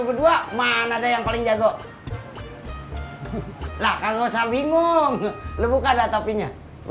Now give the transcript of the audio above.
berdua mana yang paling jago lah nggak usah bingung lu buka dah topinya